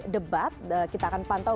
debat kita akan pantau